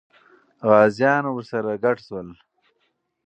غازیان ورسره ګډ سول.